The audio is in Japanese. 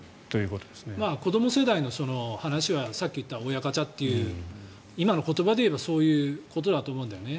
子ども世代の話はさっき言った親ガチャという今の言葉でいえばそういうことだと思うんだよね。